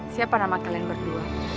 siapa nama kalian berdua